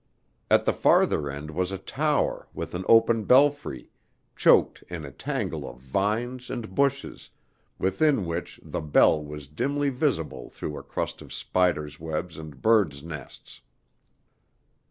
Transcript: At the farther end was a tower with an open belfry, choked in a tangle of vines and bushes, within which the bell was dimly visible through a crust of spiders' webs and birds' nests.